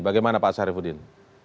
bagaimana pak syarifudin